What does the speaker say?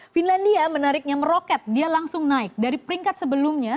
finlandia menariknya meroket dia langsung naik dari peringkat sebelumnya